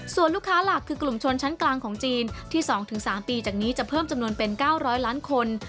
ส่วนลูกค้าหลักคือกลุ่มชนชั้นกลางของจีนที่๒๓ปีจากนี้จะเพิ่มจำนวนเป็น๙๐๐ล้านคน